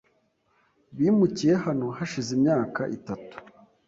Bimukiye hano hashize imyaka itatu .